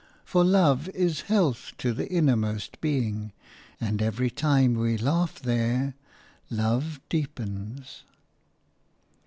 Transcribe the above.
For love is health to the innermost being, and every time we laugh there, love deepens.